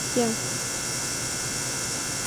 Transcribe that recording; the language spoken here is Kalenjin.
abwati kole magat binmgecheng kiy netos keam